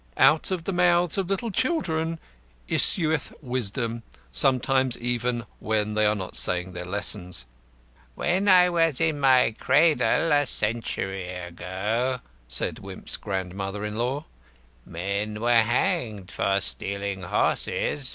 Out of the mouths of little children issueth wisdom; sometimes even when they are not saying their lessons. "When I was in my cradle, a century ago," said Wimp's grandmother in law, "men were hanged for stealing horses."